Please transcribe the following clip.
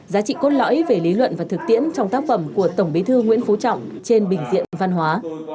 giá trị cốt lõi về lý luận và thực tiễn trong tác phẩm của tổng bí thư nguyễn phú trọng trên bình diện văn hóa